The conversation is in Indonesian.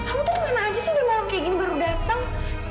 kamu tuh mana aja sih udah malem kayak gini baru dateng